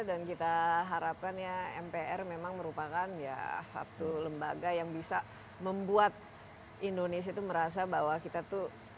dan kita harapkan ya mpr memang merupakan ya satu lembaga yang bisa membuat indonesia itu merasa bahwa kita tuh